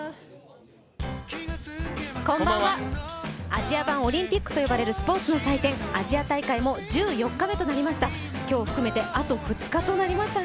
アジア版オリンピックと呼ばれるスポーツの祭典アジア大会も１４日目となりました、今日を含めてあと２日となりましたね。